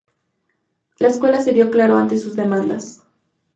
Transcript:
La escuela cedió claro ante sus demandas.